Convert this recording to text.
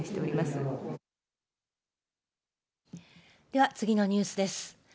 では、次のニュースです。